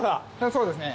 そうですね。